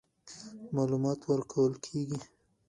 معلومات ورکول کېږي.